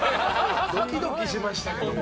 ドキドキしましたけれども。